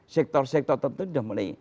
sektor sektor tertentu sudah mulai